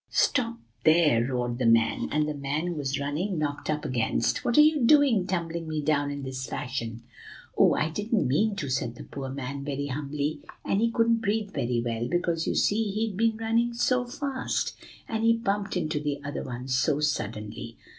"'Stop, there!' roared the man, that the man who was running knocked up against. 'What are you doing, tumbling me down in this fashion?' "'Oh! I didn't mean to,' said the poor man very humbly; and he couldn't breathe very well, because, you see, he'd been running so fast, and he'd bumped into the other one so suddenly.